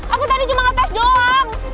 aku tadi cuma ngetes doang